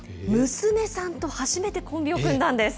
娘さんと初めてコンビを組んだんです。